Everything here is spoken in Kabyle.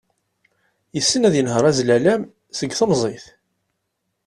Yessen ad yenher azlalam seg temẓit.